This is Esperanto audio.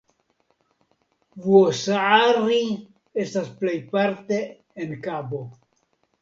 Vuosaari estas plejparte en kabo.